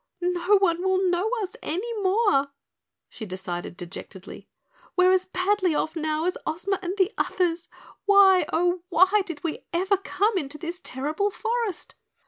"No one will know us any more," she decided dejectedly. "We're as badly off now as Ozma and the others. Why, oh why, did we ever come into this terrible forest?"